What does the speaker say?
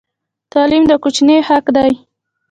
تعلیم د کوچني حق دی.